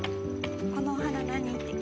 このお花何って聞いて。